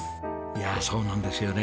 いやそうなんですよね。